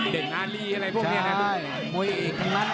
เด็กอารี่อะไรพวกเนี่ยนะมวยเอกทั้งล้าน